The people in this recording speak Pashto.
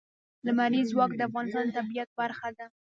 لمریز ځواک د افغانستان د طبیعت برخه ده.